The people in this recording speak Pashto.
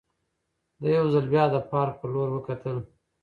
ده یو ځل بیا د پارک په لور وکتل.